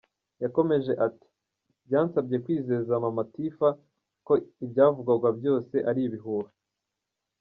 Yakomeje ati "Byansabye kwizeza Mama Tiffah ko ibyavugwaga byose ari ibihuha.